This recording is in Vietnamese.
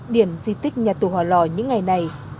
điểm di tích nhà tù hòa lò những ngày này